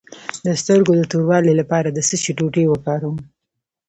د سترګو د توروالي لپاره د څه شي ټوټې وکاروم؟